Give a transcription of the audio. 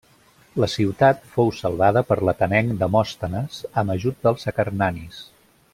La ciutat fou salvada per l'atenenc Demòstenes amb ajut dels acarnanis.